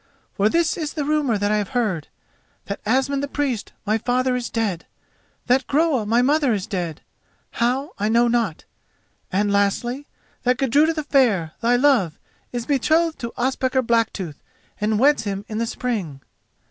For this is the rumour that I have heard: that Asmund the Priest, my father, is dead; that Groa, my mother, is dead—how, I know not; and, lastly, that Gudruda the Fair, thy love, is betrothed to Ospakar Blacktooth and weds him in the spring."